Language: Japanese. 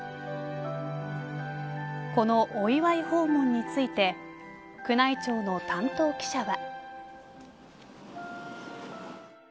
このお祝い訪問について宮内庁の担当記者は。